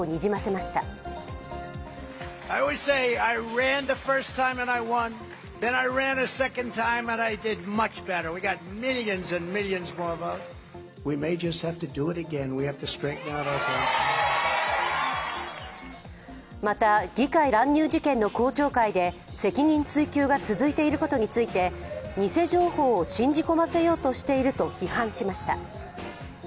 また議会乱入事件の公聴会で責任追及が続いていることについて偽情報を信じ込ませようとしていると批判しました。